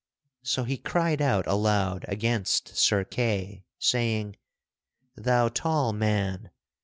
So he cried out aloud against Sir Kay, saying: "Thou tall man!